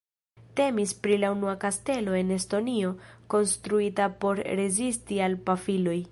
Temis pri la unua kastelo en Estonio konstruita por rezisti al pafiloj.